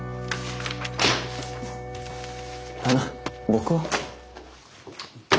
あの僕は？